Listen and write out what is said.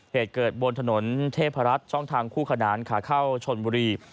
เหตุเกิดบนถนนเทพรัฐช่องทางคู่ขนานขาเข้าชนบุรี